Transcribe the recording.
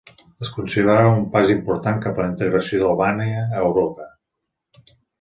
Es considerava un pas important cap a la integració d'Albània a Europa.